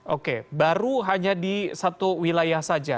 oke baru hanya di satu wilayah saja